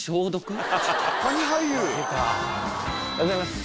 おはようございます。